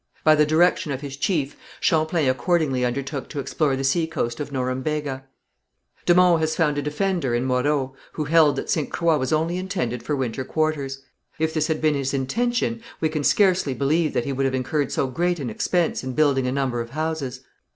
By the direction of his chief, Champlain accordingly undertook to explore the seacoast of Norembega. De Monts has found a defender in Moreau, who held that Ste. Croix was only intended for winter quarters. If this had been his intention, we can scarcely believe that he would have incurred so great an expense in building a number of houses.